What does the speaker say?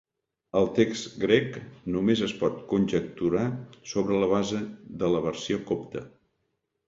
El text grec només es pot conjecturar sobre la base de la versió copta.